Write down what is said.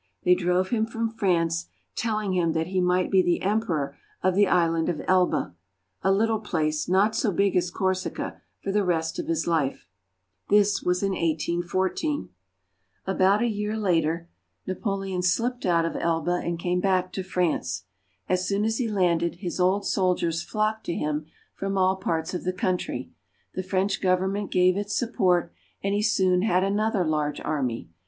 They drove him from France, telling him that he might be the emperor of the island of Elba, a little place not so big as Corsica, for the rest of his life. This was in 1814. About a year later Napoleon slipped out of Elba and came back to France. As soon as he landed, his old soldiers flocked to him from all parts of the country ; the French government gave its support, and he soon had another large army.